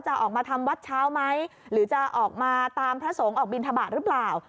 ออกมาทำวัดเช้าไหมหรือจะออกมาตามพระสงฆ์ออกบินทบาทหรือเปล่า